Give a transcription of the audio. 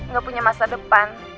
ga punya masa depan